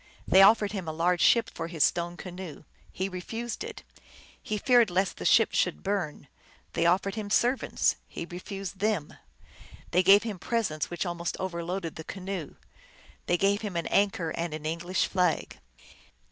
They offered him a large ship for his stone canoe. He refused it. He feared lest the ship should burn. They offered him servants. He refused them. They gave him presents which almost overloaded the canoe. They gave him an anchor and an English flag.